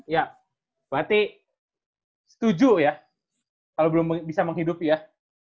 iya bati setuju ya kalau belum bisa menghidupi ya